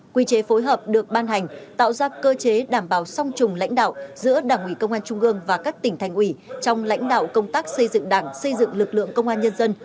quy chế phối hợp được ban hành tạo ra cơ chế đảm bảo song trùng lãnh đạo giữa đảng ủy công an trung ương và các tỉnh thành ủy trong lãnh đạo công tác xây dựng đảng xây dựng lực lượng công an nhân dân